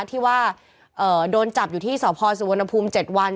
ที่ว่าโดนจับอยู่ที่สพสุวรรณภูมิ๗วัน